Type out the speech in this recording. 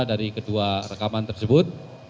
dari kedua rekaman tersebut